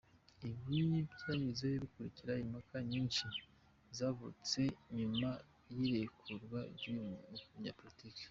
Ibi byavuzwe bikurikira impaka nyinshi zavutse nyuma y'irekurwa ry'uyu munyapolitiki.